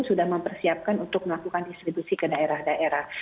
sudah mempersiapkan untuk melakukan distribusi ke daerah daerah